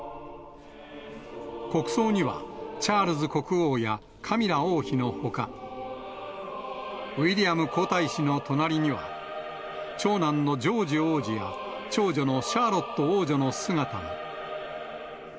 国葬には、チャールズ国王やカミラ王妃のほか、ウィリアム皇太子の隣には、長男のジョージ王子や長女のシャーロット王女の姿も。